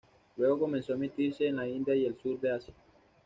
Luego comenzó a emitirse en la India y el Sur de Asia.